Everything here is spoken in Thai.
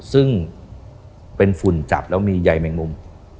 ซึ่งเป็นฝุ่นจับแล้วมีใยแมงมุม